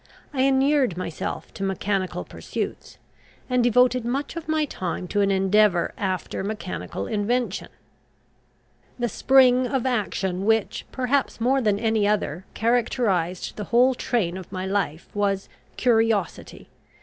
I inured myself to mechanical pursuits, and devoted much of my time to an endeavour after mechanical invention. The spring of action which, perhaps more than any other, characterised the whole train of my life, was curiosity.